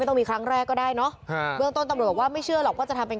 ไม่ต้องมีครั้งแรกก็ได้นะว่าไม่เชื่อหรอกว่าจะทำเป็น